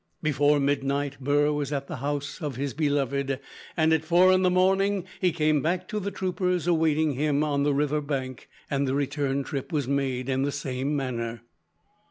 Before midnight, Burr was at the house of his beloved, and at four in the morning he came back to the troopers awaiting him on the river bank, and the return trip was made in the same manner.